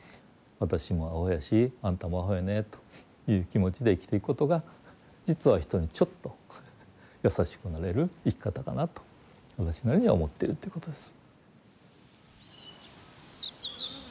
私もアホやしあんたもアホやねという気持ちで生きていくことが実は人にちょっと優しくなれる生き方かなと私なりには思ってるということです。